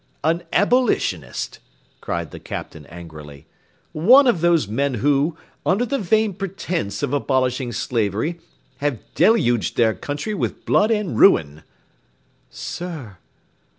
"An Abolitionist," cried the Captain angrily; "one of those men who, under the vain pretence of abolishing slavery, have deluged their country with blood and ruin." "Sir!"